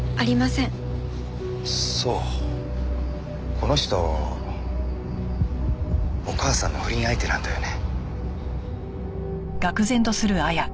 この人お母さんの不倫相手なんだよね。